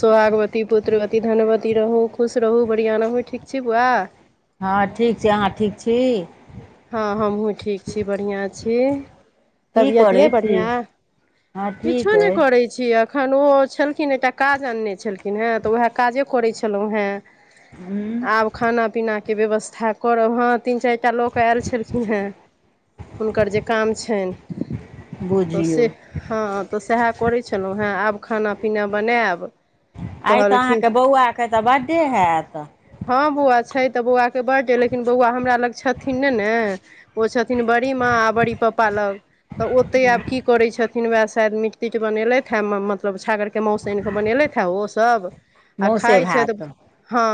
सोहागवती, पुत्रवती, धनवती रहू, खुश रहू, बढ़िआँ रहू, ठीक छी बौआ? हँ ठीक छै, अहाँ ठीक छी? हँ हमहूँ ठीक छी, बढ़िआँ छी। की तबियत ये करै छी बढ़िया, हँ किछो ठीक नहि अइ करै छी एखन ओ छलखिन एकटा काज अनने छलखिन हें तऽ वैह काजे करै छलहुँ हें। हूँ आब खाना पीना के व्यवस्था करब, हां तीन चारिटा लोक अयल छलखिन हेँ हुनकर जे काम छनि, तऽ बुझियौ से हँ तऽ सएह करै छलहुँ हेँ, आब खाना पीना बनायब आइ तऽ कहलखिन अहाँके बौआके तऽ बर्डे हैत। हँ बौआ छै तऽ बौआ के बडडे लेकिन बौआ हमरा लग छथि छथिन ने ने ओ छथिन बड़ी माँ आ बड़ी पप्पा लग। तऽ ओते आब की करे छथि, वएह शायद मीट तीट बनेलथि हे मतलब छागर के मौस आनि कऽ बनेलथि हेँ ओसभ आ मौसे खाइत छथि भात तऽ हँ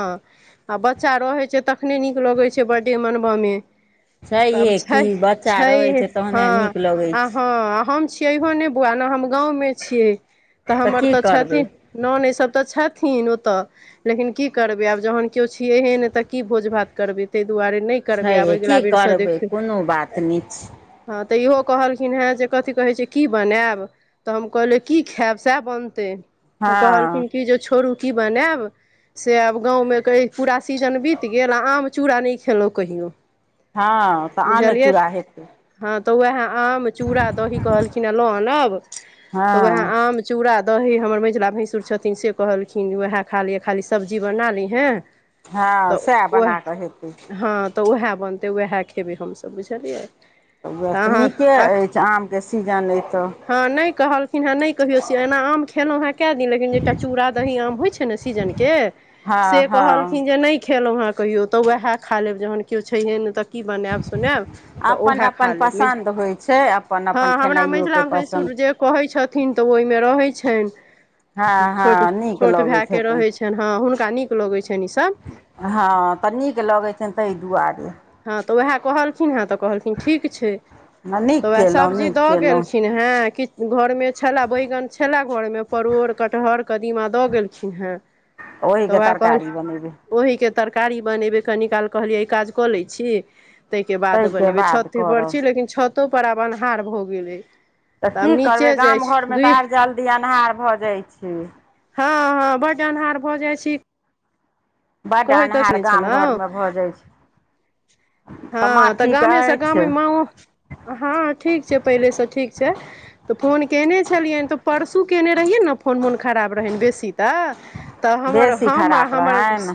आ बच्चा रहै छै तखने नीक लगै छै बर्थडे मनबय मे। तब छैहे छै की बच्चा छै रहै हँ तहने नीक लगै आ छै हँ हम छियैहो नै बौआ ने, हम गाँवमे छियै तऽ हमर की तऽ करबै छथिन न नहिसभ तऽ छथिन ओतऽ लेकिन की करबै आब जखन केओ छियैहे नहि तऽ की भोज भात करबै ताहि दुआरे नहि करबै आब छैहे अगिला की बेर से करबै देखही। कोनो बात नहि छै हँ तऽ इहो कहलखिन हे जे कथि कहै छै की बनेब तऽ हम कहलियै की खेब सेह बनतै तऽ हँ कहलखिन कि जे छोड़ू की बनैब से आब गाँमे कहै पूरा सीजन बीत गेल आ आम चूड़ा नहि खेलौ कहियो हँ तऽ आमे बुझलियै चूड़ा हेतै हँ तऽ उहे आम चूड़ा दही कहलखिन है ल आनब हँ तऽ वेह आम चूड़ा दही हमर मझिला भैंसुर छथिन से कहलखिन वैहे खा लिअ खाली सब्जी बना लिहे हँ तऽ सएह ओहे बना कऽ हेतै हँ तऽ ओहे बनतै वैहे खेबै हमसब बुझलियै त वेह तऽ अहाँ नीके अख अइछ आमके सीजन अई तऽ हँ नहि कहलखिन हे नहि कहियौ से एना आम खेलौ हे कैऽ दिन लेकिन एकटा चूड़ा दही आम होइ छै ने सीजन के हँ से हँ कहलखिन जे नहि खेलौ हे कहियो तऽ वैहे खा लेब जखन कियो छैहे नहि तऽ कि बनैब सुनेब तऽ अपन ओहे खा अपन लेब मैझ पसन्द होइ छै अपन ह अपन हमरा खेनाइयोके मझिला पसन्द भइसुर जे कहै छथिन तऽ ओहिमे रहै छनि हँ छोट, हँ नीक छोट भैऽ लगैत के हेतनि रहै छ छनि हँ हुनका नीक लगै छनि ई सब हँ तऽ नीक लगै छनि तैय दुआरे हँ तऽ ओहे कहलखिन हे तऽ कहलखिन ठीक छै नीक तऽ वैह कयलहुँ सब्जी नीक दऽ कयलहुँ गेलखिन हे हँ किछ घरमे छलै बैइगन छलै घरमे परोड़ कटहर कदीमा दऽ गेलखिन हे ओहिके तरकारी बनेबै ओहिके तरकारी बनेबै कनिकाल कहलियै ई काज कऽ लैय छी। तैय के बाद ताहिके बनेबै बाद छते पर करब छी लेकिन छतो पर आब अन्हार भऽ गेलै तऽ आब की करबै नीचे जाइ गाम छी घरमे दुइ तऽ आर जल्दी अन्हार भऽ जाय छै हँ हँ बड्ड अन्हार भऽ जाए छी बड्ड कोहय तच अन्हार नै गाम छलौ घरमे भऽ जाइ छै हँ माँ तऽ ठीक गामेसँ गामे अछि माँओ हँ ठीक छै पहिलेसँ ठीक छैय तऽ फोन केने छलियैन तऽ परसू केने रहियै ने फ फोन मोन खराब रहनि बेसी तऽ तऽ हमर बेसी हम आ खराब हमर रहनि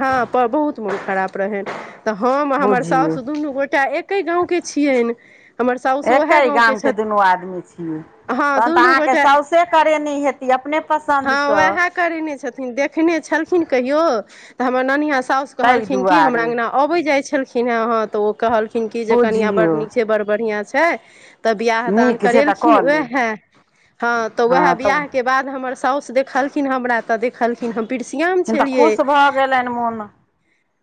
हँ तऽ बहुत मोन खराप रहनि तऽ हम आ हमर बुझियौ साउस दुनू गोटा एकेगाँवके छियनि हमर साउसो ओहे गाम के दुनू आदमी छि। हँ तखन तऽ दुनू अहाँके गोटा साउसे करेने हेती अपने पसन्दसँ करैने छथिन देखने छलखिन कहियो तऽ हमर ननिया साउस ताहि कहलखिन कि हमरा दुआरे अंगना अबै जाइ छलखिन हे हँ तऽ ओ कहलखिन कि जे कनिआँ बड़ बुझियौ नीक छै बड़ बढ़िआँ छैय तऽ बिआह दान नीक छै तऽ करेलखिन कऽ ले वैहे हँ तऽ वेहे बियाह के बाद हमर साउसु देखलखिन हमरा तऽ देखलखिन हम पिड़सियाम किन तऽ छलियै खुश भऽ गेलैन मोन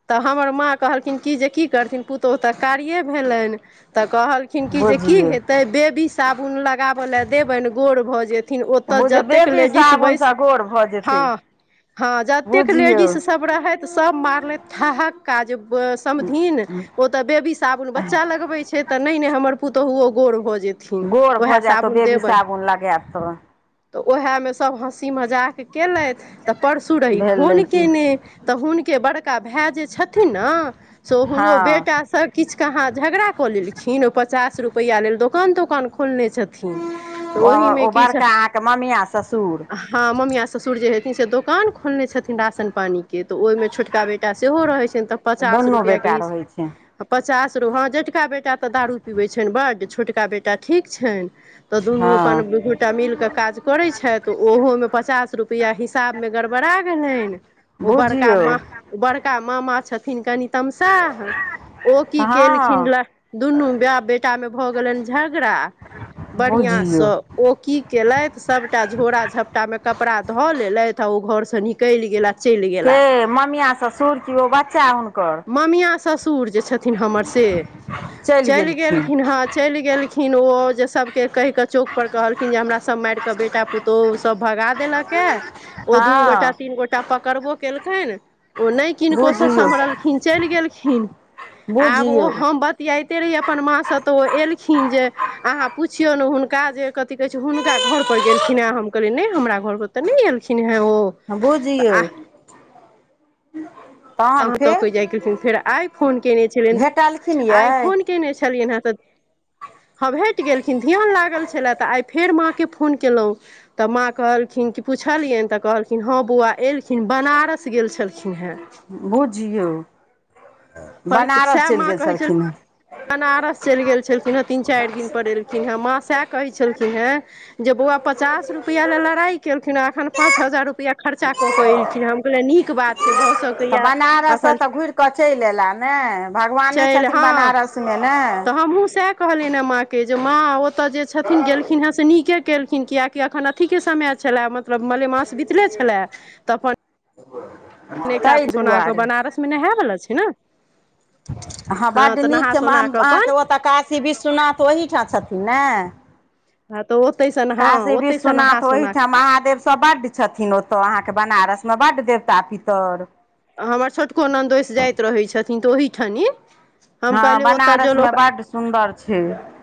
तऽ हमर माँ कहलखिन कि जे की करथिन पुतोहु तऽ कारिये भेलनि तऽ कहल खिन की जे की बुझियौ हेते बेबी साबुन लग लगाब लै देबनि गोर भऽ जेथिन ओतऽ बुझ जतेक बेबी लेडीस बइस साबुनसँ गोर भऽ जेतै हँ हँ जतेक बुझियौ लेडीस सब रहैत सब मारलथि ठहक्का जे समधिन ओत तऽ बेबी साबुन बच्चा लगबै छै तऽ नै नै हमर पुतहुओ गोर भऽ जेतै गोर [unintelligible] भऽ ओहे जायत तऽ साबुन बेबी देबैन। साबुन लगायब तऽ तऽ ओहेमे सभ हँसी मजाक केलैथ, तऽ परसू रही भेलै फोन कि कयने तऽ हुनके बरका भे जे छथिन न, सो हूणों हँ बेटा सर किछ कहाँ झगड़ा कऽ लेलखिन ओ, पचास रुपैइया लेल दोकान - तोकान खोलने छथिन। तऽ ओहिमे ओ बड़का किछु अहाँके ममियाआ ससुर। हँ, ममिआ ससुर जे हेथिन से दोकान खोलने छथिन राशन पानी के तऽ ओयमे छोटका बेटा सेहो रहै छेन, तऽ पचास दुनू रुपयाके बेटा हिस् रहै छै पचास रू हँ जेटका बेटा तऽ दारू पिबै छैन बड्ड, छोटका बेटा ठीक छैन। तऽ दुनू अपन हँ दूघोटा मिल क काज करै छैत। ओहो में पचास रुपआ हिसाब में गड़बड़ा छैन। ओ बड़का बुझियौ मह, बड़का मामा छथिन कनि तमशाह ओ की केलखिन हँ ल दुनू बाप बेटा मे भऽ गेलैन झगड़ा बढ़िआँ बुझियौ सँ। ओ की केलैथ, सबटा झोरा - झपटा में कपड़ा धऽ लेलैथ आ ओ घर से नि कैल गेला। चलि गेला के ममिया ससुर, कि ओ बच्चा हुनकर? ममिया ससुर जे छथिन हमर से। चैल गेलखिन हँ चैल गेलखिन ओ जे सबके कैह कऽ चौक पर कहलखिन जे हमरा सब मैर क बेटा पुतौह सब भगा देलके, ओ दू हँ गोटा, तीन गोटा टा पकड़बो केलकैन, ओ नै किनको स बुझियौ सम्हरल खीन चैल गेलखिन। आब ओ बुझियौ हम ब तियाइते रहीये अपन माँसँ तऽ ओ एलखिन जे अहाँ पुछियौन हुनका जे कथि कहै छै हुनका घर पर गेलखिन हे, हम कहलियै नै हमरा घर पर तऽ नै एलखिन हे ओ। तऽ बूझियौ। आह तहन तकैय जाय गेलखिन। फेर आय फोन केने छेलीयेन, भेटलखिन आय यै फोन केने छलियेन हेँ तऽ ह भेट गेलखिन। ध्यान लागल छले तऽ आइ फेर माँकेँ फोन केलाउ। तऽ माँ कहलखिन कि पुछलियेन तऽ कहलखिन हँ बौआ एलखिन बनारस गेल छलखिन हेँ। बुझियौ पर बनारस सएह चैल माँ गेल कहै छलखिन हे। बनारस चैल गेल छलखिनहेँ, तीन - चैर दिन पर एलखिनहेँ। माँ सैह कहै छलखिनहेँ जे बौआ पचास रुपया ले लड़ाई केलखिनहे आ एखन पाँच हजार रुप रुपैआ खर्चा कऽ कऽ एलखिन। हम कहलिए नीक बात छै भऽ सकैये बनारस स तऽ घुइर कऽ चैल एला ने, भगवाने छथिन बनारस में ने। हमहुँ सेह कहलियेन हे माँ के, जे माँ ओतऽ जे छथिन गेलखिन हे से नीके केलखिन कियेकी अखन अथीके समय छेले, मतलब मले मास बितले छले तऽ अपन तै दुआरे। मे नेहे वला छै न। ह बड्ड नीक नहा छै, सोना कऽ अहाँ अपन के ओत काशी विश्वनाथ ओहीठाम छथिन ने। ह त ओतै सन काशी विश्वनाथ ओहिठाम महादेव सब बड छथिन ओत अहाँ के बनारस में बड देवता पितर। हमर छोटको नन्दोइस जाइत रहै छथिन। तऽ ओहीठनी। हम ह कहलियै ओतय बनारस में बड्ड सुन्दर छै।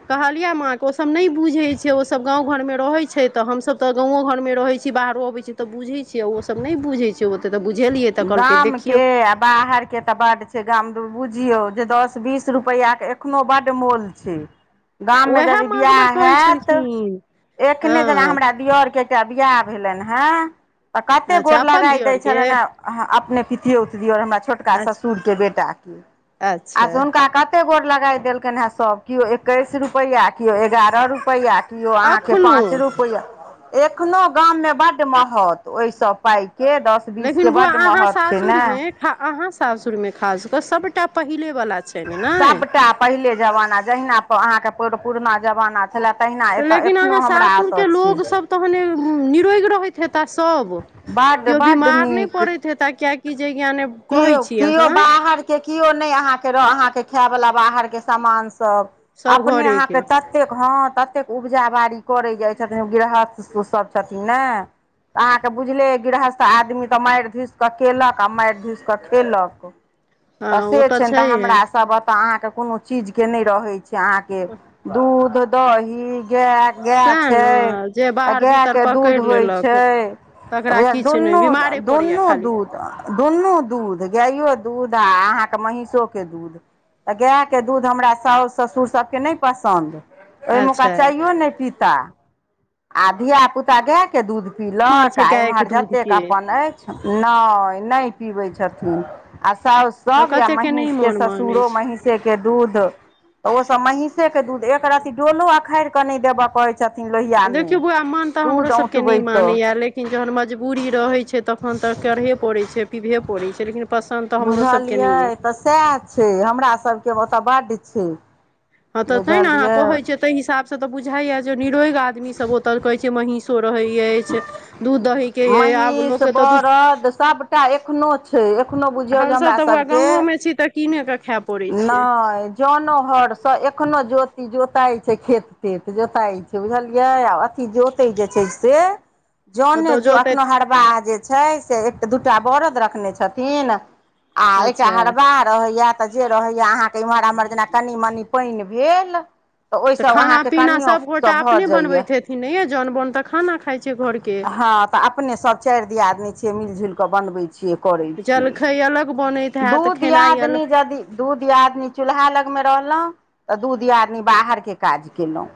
कहलिये माँ के ओ सब ने बुझेय छै, ओ सब गांव घर में रहै छै, त हमसब त गौवो घर में रहे छी बाहरो अबे से त बुझेय छिये ओ सब नै बुझै छै, ओते त बुझेलीये त कह आम के आ बाहर के टा बड्ड छै गाम बुझियौ जे दस बीस रुपैआ के एखनो बड्ड मोल छै। गाम में उएह यदि माँ हमर बिवाह कहै हयत छलखिन एखने जेना हँ हमरा दियाऔर के। क बियाह भेलनि हे तऽ कते अच्छा गोर अपन लगाय दै दियरके छलनि हे। अहाँ अपने पितियौत दियौर हमरा छोटका अच्छा ससुर के बेटा के आ अच्छा से हुनका कत कते गोर लगाइ देलकनि हे सब केओ एकैस रुपैआ केओ एगारह रुपैआ किओ अहाँके एखनो पाँच रुपैआ। एखनो गाम मे बड महत ओहिसँ पाइ के दस बीस। फिर अहाँ सासुर में अहा सासुर में खासक सबटा पहिले बाला। सभटा पहिले जमाना जहिना अहाँ के पुरना जमाना। छलै तहिना एतऽ एखनोहु हमरा एतऽ छे। तहने निरोग रहैत हेता सभ बड्ड कीयो बड्ड बीमार नहि नीक पड़ैत हेता किइए की। की जे ज्ञा ने। कियो कियो बाहर के कियो नइ आँह के आँह के खै वला बाहर के समान सब सभ अपने आँह क घरेके तऽ। ततेक हँ ततेक उपजा बाड़ी करै जाइ छथिन गृरहस्थ सभ छथिन ने। तऽ अहाँ के बुझले गृहस्थ आदमी तऽ मारि धुइस के केलक आ मारि धुइस स कलेक हँ त ओ से तऽ छइन छैहे त सब ओत आँह के चीज के नहि रहै छै अहाँ के दूध दही [unintelligible] गाए छै सएह ने जे तऽ बाहर गाय भीतर के दूध पकड़ि होइ लेलक छै। तकरा वहे किछु नहि दूनू द बीमारे पड़ैया दूनू खाली दूध दूनू दूध गाइयो दूध आ अहाँके महीषो के दूध। तऽ गाय के दूध हमरा साासु ससुर सभके नहि पसन्द। ओहिमेका अच्छा चायो नहि पीता आ धिय पुता गाय। के दूध मान पीलक छै आ गायके एम्हर जतेक दूधके अपन अछि न नहि पीबे छै छथि आ सा आ सब य कतेकके नहि महषके मोन मानै ससुरो छै मही। महसे के दूध त ओ सब महींषे के दूध एक रति डोलो अखड़ के ने देबे पर। छथिन लोहियामे देखियौ बौआ मन तऽ हमरो दूध सभके नहि औटबै तऽ। मानैए लेकिन जहन मजबूरी रहै छै तखन तऽ करहे पड़ै छै पीबहे पड़ै छै लेकिन पसन्द तऽ हमरो सभके बुझलियै नहि अइ तऽ सएह छै हमरा सभ के ओतय बड्ड छै। हँ तऽ तें ने अहाँ बुझलियै कहै छिय ताहि हिसाब से तऽ बुझाया जे निरोग आदमीसभ ओतऽ कहै छै महीष। रहै अछि दूध दही के य आब लोक के तऽ दूध अत सब टा एखनो छै एखनो बुझियौ जे हमसभ हमरा तऽ बौआ सबके गाँवोमे छी तऽ कीने कऽ खाय पड़ैत छै नहि। जनो हरसँ एखनो जोति जोताइ छै खेत तेत जोताइ छै बुझलियै आ जोते जे छै से जने ओतय ज अखनो जोतैत हरा हरबा जे छै से एक दूटा बरद रखने छथिन आ एकटा अच्छा हरबा। रहैया तऽ जे रहैया अहाँके इम्हर एम्हर जेना कनि मनी पानि भेल। तऽ ओहिसभ अहाँके कनियो सब भऽ जाइया। नहि य जन बन तऽ खाना खा छै। घरके हँ तऽ अपने सभ चारि दियाद नहि छियै मिल जुलि कऽ बनबै छियै। जलखइ अलग बने। दूध यादनी यदि। दू दियादिनी चूल्हा लगमे रहलहुँ तऽ दू दियादिनी बाहरके काज केलहुँ।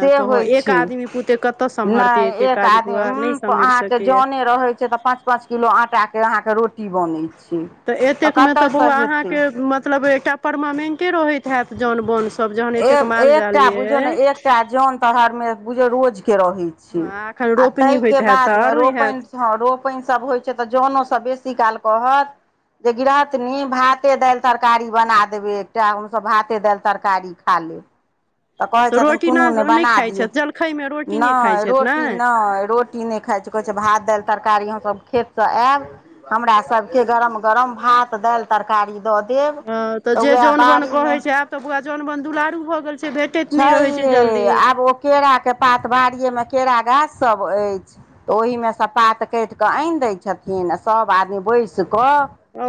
से तऽ होइ एक छैय आदमी पुते कतय सम्हरतै नई एतेक एक काज आदमी बौआ नहि उं सम्हरि अहाँ के सकैए जने रहैय छैय तऽ पाँच। पाँच किलो आटा के अहाँ के रोटी बनैय छैय। तऽ एतेक मे तऽ बौआ अहाँ के मतलब एकटा परमानेंटे रहैत हैत जौन बोन सब जहन। ए एतेक माल जाल एकटा बुझियौ यै। ने एकटा जन तर मे बझयौ रोज के रहै छै हँ एखन आ रोपनी ताहि के होइत हैत बाद तऽ मे आरो हैत रोपैन। हँ रोपैन सब होइ छै तऽ जनो सब बेसी काल कहत। जे गिरहतनी भाते दाइल तरकारी बना देबे एकटा हम सब भाते दाइल तरकारी। खा लु तऽ कहै छथिन रोटी कोनो ना नै नहि बना खाइत दियौ छथि जलखैमे रोटी नै नहि खाइत छथि ने रोटी नै रोटी। की नै खाइ छै कहै छै भात दाइल तरकारी हम सब खेत से आयब हमरा सबके गरम। गरम भात दाइल तरकारी दऽ दे। ह तऽ जे जोन बोन कहे छैय आब तऽ बौआ जोन बोन दुलारू भऽ गेल। से भेटैत नहि रहै छैय जल्दी। केरा के पात बारिये मे केरा गाछ सब अइछ। तऽ ओहिमे सँ पात काइट कऽ अइन दैय छथिन आ सब आदमी बैस कऽ।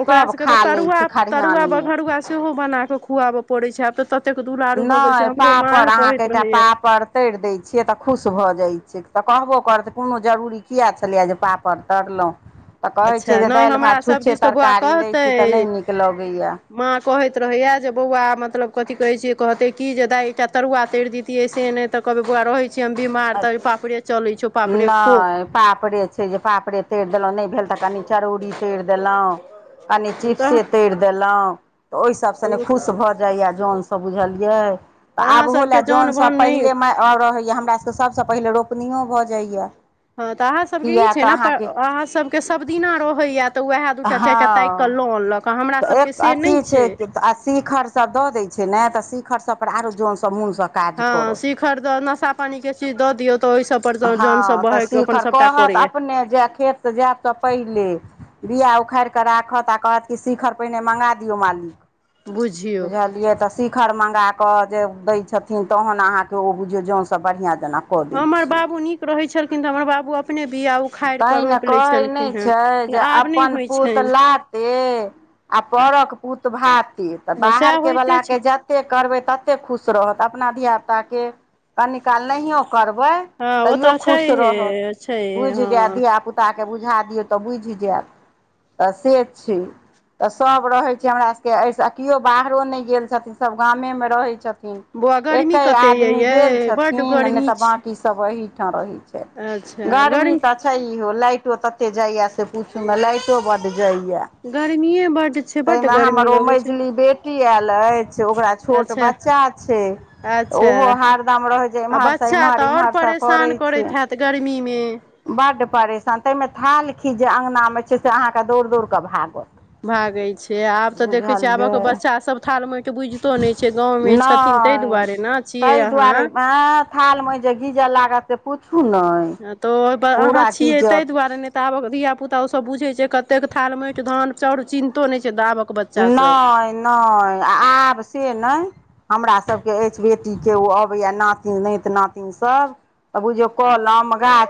ओकरा सब सबके तऽ खा लैय तरुआ छैय खरिहान तरुआ मे। बघरुआ सेहो बना के खुआवऽ पड़ै छैय आब तऽ ततेक दुलारू भऽ गेल छैय नहि हमरो मां वो कहैत रहैया तैर दैय छियै तऽ खुश भऽ जाइत छैय तऽ कहबो करतै कोनो जरूरी किया छलैया जे पा। पड़ तड़लहु। तऽ कहैत अच्छा छैय जे नहि दाइल हमरा भात सब छुच्छे दिस तऽ बौआ तरकारी दैत छी तऽ कहतै नहि नीक लगैया माँ कहैत रहैया जे बौआ मतलब कथी कहतै की जे दााय एकटा तरुआ तर दितियै से ने। तऽ कहबै बौआ रहै छियै हम बीमार तऽ पापड़े चलै छौ पापड़े खो। नहि पापड़े छै जे पापड़े तैर देलहुँ नहि भेल तऽ कनि चरौरी तैर देलहुँ कनी तऽ चिप्से तैर देलहुँं तऽ ओहि सब स ने खुश भऽ जाइयै जन सब बुझलियै त अहाँ आब हो लै सबके जौन जन बोन सब नहि पहिले मै। और रहैया हमरा सबके सभ सँ पहिनेे रोपनियो भऽ जाइ या। हँ तऽ अहाँ सबके ई छैय न अहाँ सबके सब दिना रहैया। तऽ वएह दू टा चारि टा ताकि कऽ हँ लऽ अनलक आ हमरा सब के एक से नहि अथी छै छैय। आ शिखर सब दऽ दैय छैय ने तऽ शिखर सब पर आरो जन सब मोन सँ काज करतऽ खरद नशा पानी के चीज दऽ दियौ तऽ ओहि सब। पर जौन सब हँ तऽ बहक अपन शिखर सबटा कहत करैया अपने जे खेत जैत तऽ पहिले। बिया उखैड़ कऽ राखत आ कहत कि शिखर पहिने मङ्गा दियौ मालिक। बुझियौ बुझलिय तऽ शि। शिखर मँगा कऽ जे दैय छथिन तहन अहाँ के ओ बुझियौ जोन सब बढ़ियां जेना। कऽ दै हमर छियै बाबू नीक रहैय छलखिन तऽ हमर बाबू अपने बिया उ। तैइ न कहैय नै छैय जे आब नहि अपन होइ पूत छनि लाते। आ परक पूत भाते तऽ हँ सएह बाहर के होइते वला छै के जत। जते करबै तते खुश रहत अपना धिया पुता के। कनी काल नहियो करबैय तैयो खुश रहत। त छैय। बुइझ जैत धिया पुता के बुझा दियौ तऽ बुइझ जैत तऽ से छैय। तऽ सभ रहैय छैय हमरा सब के एहि सँ कियो बाहरो नहि गेल छथिन सभ गामे मे रहैय छथिन बौआ गर्मी एके कते य आदमी गेल यै बड्ड छथिन नै गर्मी तऽ छै बाकी सब एहिठाम रहैय छैय। अच्छा गरम अच्छा ई लाइटो तते जाय से पूछू नई लाइटो बड जाइया गर्मी यै बड छै बड्ड ताहिमे हमरो ओ मझली बेटी आयल अइछ ओकरा छोट अच्छा बच्चा छै। तऽ अच्छा ओहो हरदम रहैत छै, आ एम्हरसँ बच्चा इम्हर -इम्हरसँ करैत छै। तऽ गरमीमे बड परेशान तेमेै थाल खीच जे अङ्गना मे छै, से अहाँके दौड़ दौर कऽ, भागत भागै छै आब तऽ देखैत छियै, बुझलियै आबक बच्चासभ थाल मइट बुझितो नइ छै, गाँवमे छथिन तै दुआरे नै छियै, अहाँ ऐ थाल मेट जे गीजे लागत से पूछू नई हाँ तऽओइ पर अहाँ छियै तै दुआरे नै ताबक धियिया पुता ओ सब बुझय छै, कतेक थाल मेट धान चाउर चिन्तो नै छै, दाबक नोय -नोय आब से नय हमरासके अइछ बेटीके ओ अबैए नातिन नेत नातिन सभ आ बुझयौ कलम गाछ